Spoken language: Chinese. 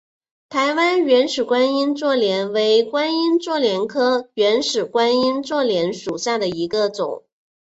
台湾原始观音座莲为观音座莲科原始观音座莲属下的一个种。